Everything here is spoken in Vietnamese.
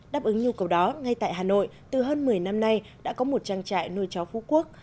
đáp ứng nhu cầu đó ngay tại hà nội từ hơn một mươi năm nay đã có một trang trại nuôi chó phú quốc